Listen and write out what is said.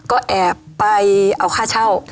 ก็แอบไปเอาค่าเช่า